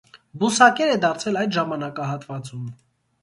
Բուսակեր է դարձել այդ ժամանակահատվածում։